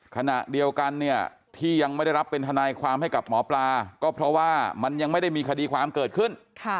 ขณะเดียวกันเนี่ยที่ยังไม่ได้รับเป็นทนายความให้กับหมอปลาก็เพราะว่ามันยังไม่ได้มีคดีความเกิดขึ้น